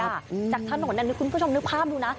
จากถนนทั้งรถนั้นคุณผู้ชมนึกภาพดูนะ